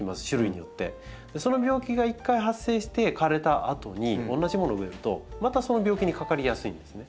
その病気が一回発生して枯れたあとに同じものを植えるとまたその病気にかかりやすいんですね。